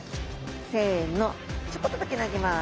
せのちょこっとだけなげます。